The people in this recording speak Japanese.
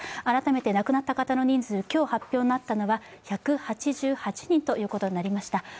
改めて亡くなった方の人数、今日発表になったのは１８８人ということになりました。